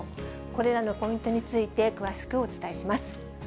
これらのポイントについて詳しくお伝えします。